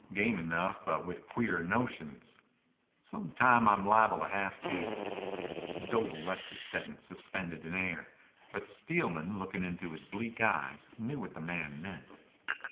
Game enough, but with queer notions. Some time I'm liable to have to " Doble left his sentence suspended in air, but Steelman, looking into his bleak eyes, knew what the man meant.